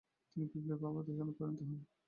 তিনি বিপ্লবী ভাবাদর্শে অনুপ্রাণিত হন।